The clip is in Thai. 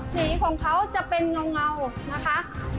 สีของเขาจะเป็นเงานะคะ